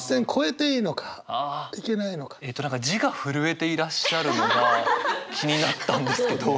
えっと字が震えていらっしゃるのが気になったんですけど。